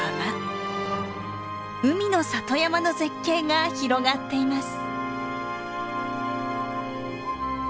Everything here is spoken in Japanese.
海の里山の絶景が広がっています。